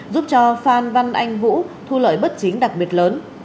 giúp cho phan văn anh vũ thu lợi bất chính đặc biệt lớn